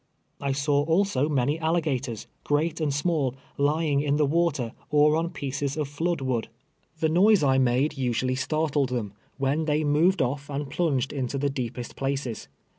I saw also many alligators, great and small, lying in the water, or on pieces of floodwood. The noise I 140 T\VEL\'E YEARS A SLAVE. made usually startled tbem, when they moved off and plunged into the deepest places.